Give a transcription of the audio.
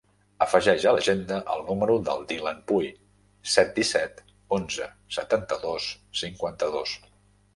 Afegeix a l'agenda el número del Dylan Puy: set, disset, onze, setanta-dos, cinquanta-dos.